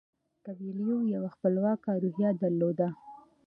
کویلیو یوه خپلواکه روحیه درلوده.